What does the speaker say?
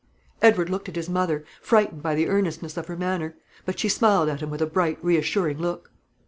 Edward looked at his mother, frightened by the earnestness of her manner; but she smiled at him with a bright, reassuring look.